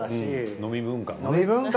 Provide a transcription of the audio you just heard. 飲み文化。